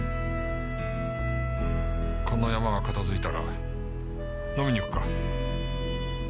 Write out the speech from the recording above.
このヤマが片づいたら飲みに行くか。